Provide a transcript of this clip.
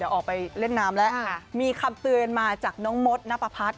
เดี๋ยวออกไปเล่นน้ำละค่ะมีคำเตือนมาจากน้องม็อตนหน้าปะพัด